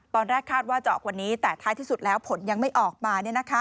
ตอนแรกคาดว่าจะออกวันนี้แต่ท้ายที่สุดแล้วผลยังไม่ออกมา